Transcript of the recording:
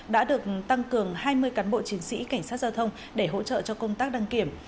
đã được tăng cường hai mươi cán bộ chiến sĩ cảnh sát giao thông để hỗ trợ cho công tác đăng kiểm